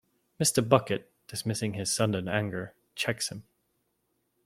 Mr. Bucket, dismissing his sudden anger, checks him.